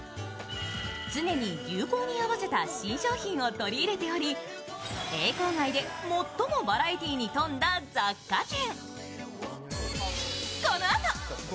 常に流行に合わせた新商品を取り入れており、永康街で最もバラエティーに富んだ雑貨店。